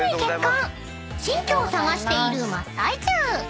［新居を探している真っ最中］